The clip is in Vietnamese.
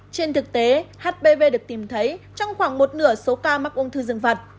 trên thực tế hpv được tìm thấy trong khoảng một nửa số ca mắc ung thư dương vật